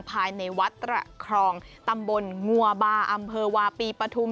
ภายในวัดตระครองตำบลงัวบาอำเภอวาปีปฐุม